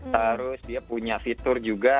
terus dia punya fitur juga